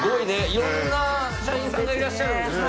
色んな社員さんがいらっしゃるんですね。